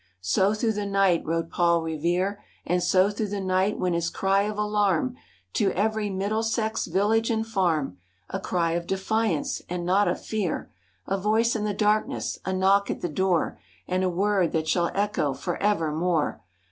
'■ So through the nignt rode Paul Revere; And so through the night went his cry of alarm To every Middlesex village and farm, — A cry of defiance and not of fear, A voice in the darkness, a knock at the door, And a word that shall echo forevermore